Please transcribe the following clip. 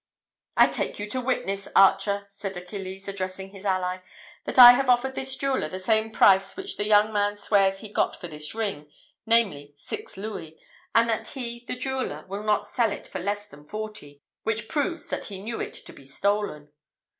"I take you to witness, archer," said Achilles, addressing his ally, "that I have offered this jeweller the same price which the young man swears he got for this ring, namely, six louis; and that he, the jeweller, will not sell it for less than forty, which proves that he knew it to be stolen."